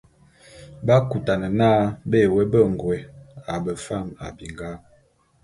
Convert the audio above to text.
B'akutane n'a bé woé bengôé a befam a binga.